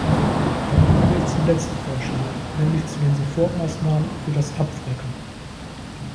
Damit komme ich zum letzten Vorschlag, nämlich zu den Sofortmaßnahmen für das Abwracken.